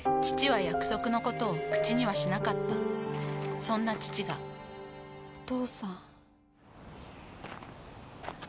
父は約束のことを口にはしなかったそんな父がお父さん。